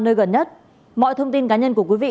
nơi gần nhất mọi thông tin cá nhân của quý vị